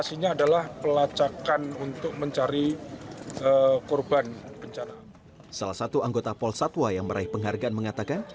salah satu anggota pol satwa yang meraih penghargaan mengatakan